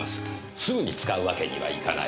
すぐに使うわけにはいかない。